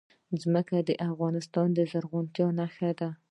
ځمکه د افغانستان د زرغونتیا نښه ده.